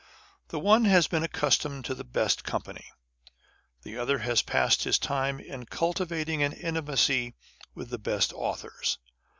The one has been accustomed to the best company ; the other has passed his time in culti vating an intimacy with the best authors.